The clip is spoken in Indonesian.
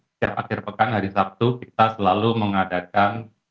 setiap akhir pekan hari sabtu kita selalu mengadakan